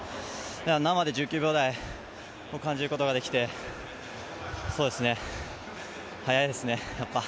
生で１９秒台を感じることができて、速いですね、やっぱ。